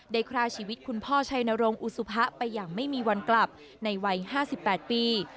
ฆ่าชีวิตคุณพ่อชัยนรงคุสุภะไปอย่างไม่มีวันกลับในวัย๕๘ปี